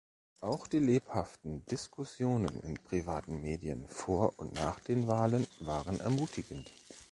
Auch die lebhaften Diskussionen in privaten Medien vor und nach den Wahlen waren ermutigend.